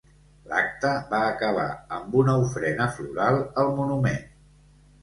L'acte va acabar amb una ofrena floral al monument.